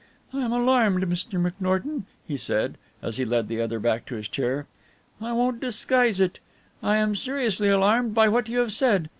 "I am alarmed, Mr. McNorton," he said, as he led the other back to his chair, "I won't disguise it. I am seriously alarmed by what you have said.